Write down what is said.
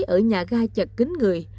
ở nhà ga chật kính người